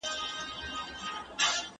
بهرنی سیاست څنګه څیړل کیږي؟